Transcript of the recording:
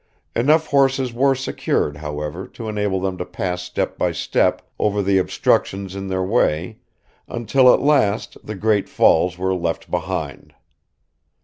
Enough horses were secured, however, to enable them to pass step by step over the obstructions in their way, until at last the Great Falls were left behind.